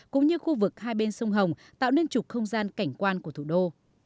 cũng như khu vực hai bên sông hồng tạo nên trục không gian cảnh quan của thủ đô